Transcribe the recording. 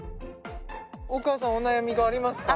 お母さんお悩みがありますか？